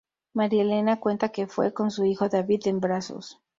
María Elena cuenta que fue con su hijo David en brazos.